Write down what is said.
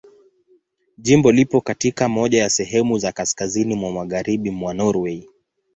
Jimbo lipo katika moja ya sehemu za kaskazini mwa Magharibi mwa Norwei.